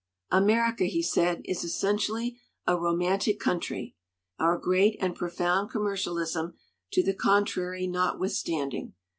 " America," he said, "is essentially a romantic country, our great and profound commercialism to the contrary notwithstanding.